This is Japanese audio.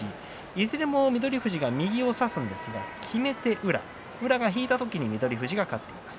いずれも翠富士が右を差すんですがきめて宇良宇良が引いた時に翠富士が勝っています。